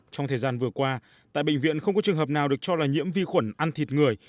trong thời gian vừa qua tại bệnh viện không có trường hợp nào được cho là nhiễm vi khuẩn ăn thịt người